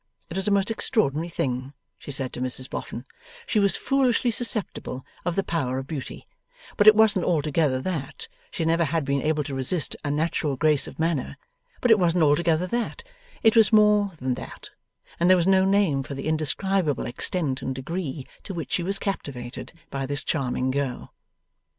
It was a most extraordinary thing (she said to Mrs Boffin); she was foolishly susceptible of the power of beauty, but it wasn't altogether that; she never had been able to resist a natural grace of manner, but it wasn't altogether that; it was more than that, and there was no name for the indescribable extent and degree to which she was captivated by this charming girl.